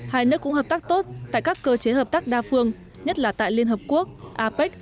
hai nước cũng hợp tác tốt tại các cơ chế hợp tác đa phương nhất là tại liên hợp quốc apec